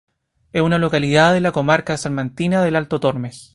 Es una localidad de la comarca salmantina del Alto Tormes.